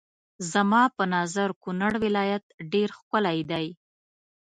زما په نظر کونړ ولايت ډېر ښکلی دی.